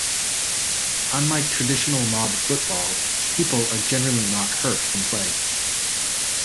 Unlike traditional mob football, people are generally not hurt from play.